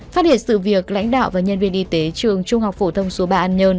phát hiện sự việc lãnh đạo và nhân viên y tế trường trung học phổ thông số ba an nhơn